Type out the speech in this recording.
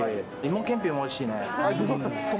芋けんぴもおいしい。